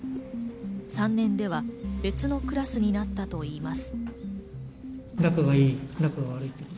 ３年では別のクラスになったといいます。